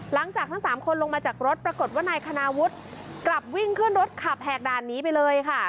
หลังจากทั้งสามคนลงมาจากรถปรากฏว่านายคณาวุฒิกลับวิ่งขึ้นรถขับแหกด่านนี้ไปเลยค่ะ